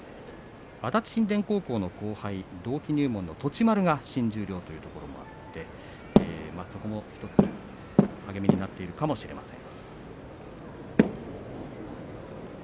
足立新田高校の後輩同期入門の栃丸が新十両ということもあってそこも１つ励みになっているかもしれません。